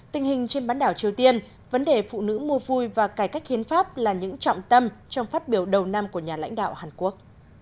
tình hình trên bán đảo triều tiên vấn đề phụ nữ mua vui và cải cách hiến pháp là những trọng tâm trong phát biểu đầu năm của nhà lãnh đạo hàn quốc